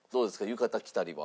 浴衣着たりは。